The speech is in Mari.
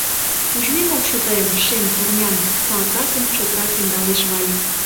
— Ужмем ок шу тыйым, Шем турням! — салтакым чотрак ӧндалеш Валик.